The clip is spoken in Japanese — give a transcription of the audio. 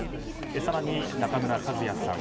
更に中村一也さん